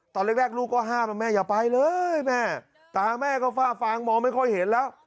ตอนแรกลูกก็ห้ามว่าแม่อย่าไปเลยแม่ตาแม่ก็ฝ้าฟางมองไม่ค่อยเห็นแล้ว